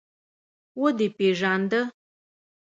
ودې پېژانده.